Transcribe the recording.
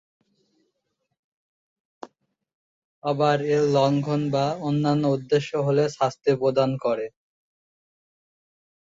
আবার এর লঙ্ঘন বা অন্যান্য উদ্দেশ্য হলে শাস্তি প্রদান করে।